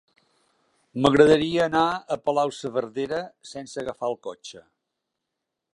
M'agradaria anar a Palau-saverdera sense agafar el cotxe.